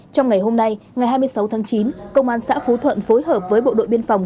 trong ngày hôm nay ngày hai mươi sáu tháng chín công an xã phú thuận phối hợp với bộ đội biên phòng